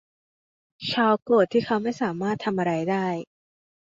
ชาร์ลโกรธที่เขาไม่สามารถทำอะไรได้